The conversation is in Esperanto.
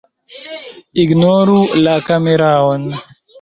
Ignoru la kameraon